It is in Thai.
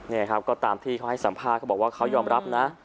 นี่ครับก็ตามที่เขาให้สัมภาษณ์เขาบอกว่าเขายอมรับนะ